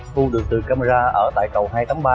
thu được từ camera ở tại cầu hai trăm tám mươi ba